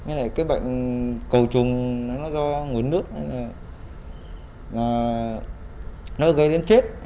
cái bệnh cầu trùng nó do nguồn nước nó gây đến chết